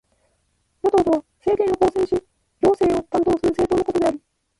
与党とは、政権を構成し行政を担当する政党のことである。